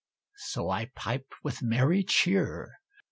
So I piped with merry cheer.